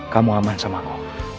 kamu aman sama aku